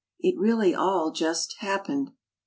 It really all just "happened."